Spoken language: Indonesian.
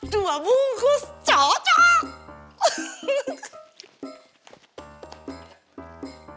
dua bungkus cocok